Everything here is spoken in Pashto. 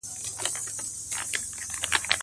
کلتور د افغانستان په اوږده تاریخ کې ذکر شوی دی.